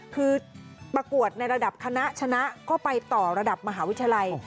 คือประกวดในระดับคณะชนะก็ไปต่อระดับมหาวิทยาลัย